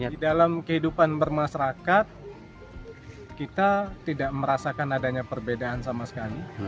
di dalam kehidupan bermasyarakat kita tidak merasakan adanya perbedaan sama sekali